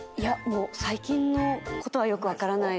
「最近のことはよく分からない」？